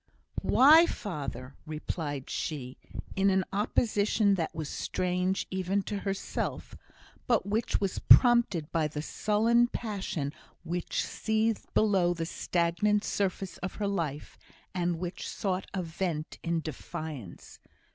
"Why, father?" replied she, in an opposition that was strange even to herself, but which was prompted by the sullen passion which seethed below the stagnant surface of her life, and which sought a vent in defiance.